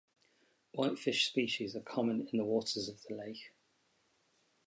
Whitefish species are common in the waters of the lake.